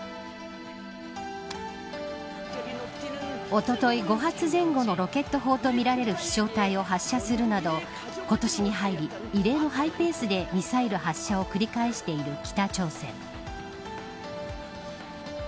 おととい５発前後のロケット砲とみられる飛翔体を発射するなど今年に入り、異例のハイペースでミサイル発射を繰り返している北朝鮮。